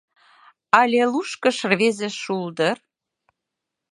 Але лушкыш рвезе шулдыр?